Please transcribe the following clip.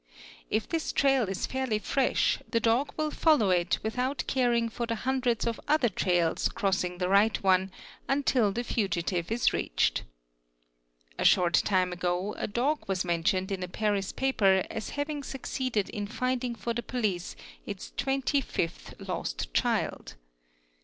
If 3 this trail is fairly fresh, the dog will follow it without caring for the hundreds of other trails crossing the right one until the fugitive is reach 'ed. A short time ago a dog was mentioned ina Paris paper as having ' succeeded in finding for the police its twenty fifth lost child.